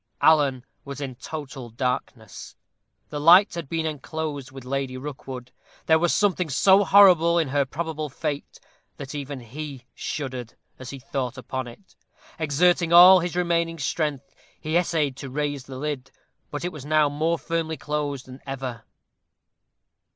Alan was in total darkness. The light had been enclosed with Lady Rookwood. There was something so horrible in her probable fate, that even he shuddered as he thought upon it. Exerting all his remaining strength, he essayed to raise the lid, but now it was more firmly closed than ever.